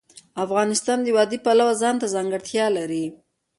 افغانستان د وادي د پلوه ځانته ځانګړتیا لري.